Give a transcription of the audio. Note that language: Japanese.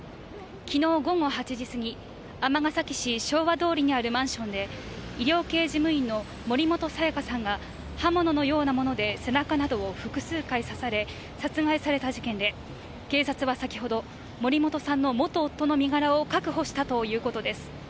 昨日午後８時すぎ、尼崎市昭和通りにあるマンションで医療系事務員の森本彩加さんが刃物のようなもので背中などを複数回刺され殺害された事件で、警察は先ほど森本さんの元夫の身柄を確保したということです。